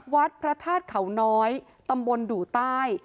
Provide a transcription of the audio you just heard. วัดพระธาตุเขาน้อยตำบลดูใต้